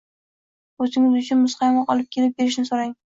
O‘zingiz uchun muzqaymoq olib kelib berishini so‘rang.